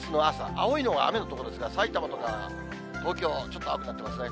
青いのが雨の所ですが、さいたまとか東京、ちょっと雨になってますね。